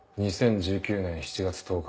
２０１９年７月１０日